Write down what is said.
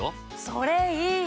それいい！